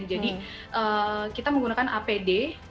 jadi kita menggunakan apd